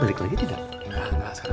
masa sudah ini pertarungan utama kita